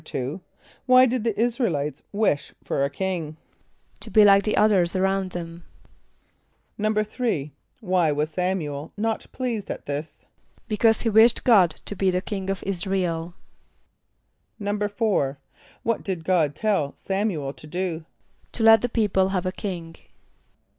= Why did the [)I][s+]´ra el [=i]tes wish for a king? =To be like the others around them.= =3.= Why was S[)a]m´u el not pleased at this? =Because he wished God to be the king of [)I][s+]´ra el.= =4.= What did God tell S[)a]m´u el to do? =To let the people have a king.